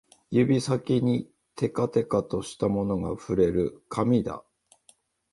指先にてかてかとしたものが触れる、紙だ